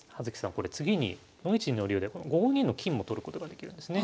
これ次に４一の竜でこの５二の金も取ることができるんですね。